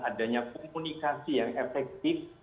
adanya komunikasi yang efektif